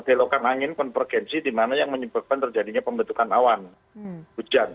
belokan angin konvergensi di mana yang menyebabkan terjadinya pembentukan awan hujan